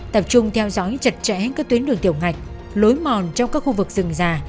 tập trung theo dõi chật chẽ các tuyến đường tiểu ngạch lối mòn trong các khu vực rừng rà